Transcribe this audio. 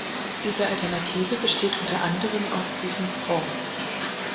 Diese Alternative besteht unter anderem aus diesem Fonds.